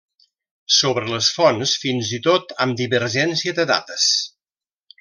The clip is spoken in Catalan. Sobre les fonts, fins i tot amb divergència de dates.